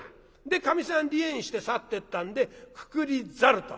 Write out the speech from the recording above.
でかみさん離縁して去ってったんでくくりざると。